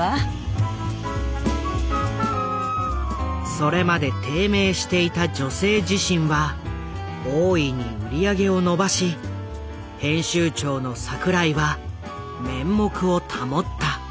それまで低迷していた「女性自身」は大いに売り上げを伸ばし編集長の櫻井は面目を保った。